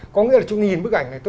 có nghĩa là chúng ta nhìn bức ảnh này